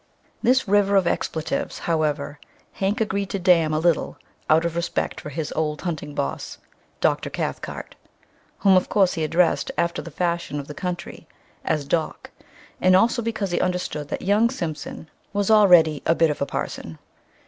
This river of expletives, however, Hank agreed to dam a little out of respect for his old "hunting boss," Dr. Cathcart, whom of course he addressed after the fashion of the country as "Doc," and also because he understood that young Simpson was already a "bit of a parson."